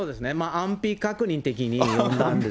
安否確認的に呼んだんです。